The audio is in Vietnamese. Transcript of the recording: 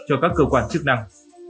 cho các cơ quan chức năng